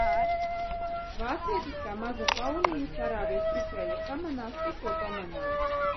Vācietis kā maza pauniņa sarāvies tupēja kamanās tikko pamanāms.